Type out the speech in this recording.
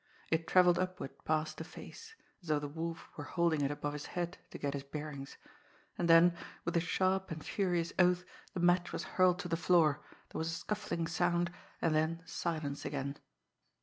It travelled upward past the face, as though the Wolf were holding it above his head to get his bearings; and then, with a sharp and furious oath, the match was hurled to the floor, there was a scuffling sound and then silence again.